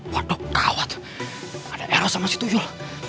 waduh kawat ada eros sama si tuyul